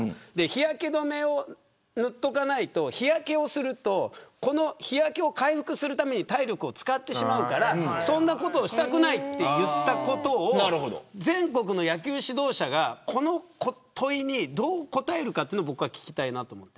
日焼け止めを塗っておかないと日焼けすると日焼けを回復するために体力を使ってしまうからそんなことをしたくないと言ったことを全国の野球指導者がこの問いにどう答えるか聞きたいなと思って。